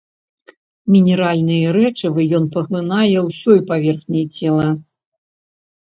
Мінеральныя рэчывы ён паглынае ўсёй паверхняй цела.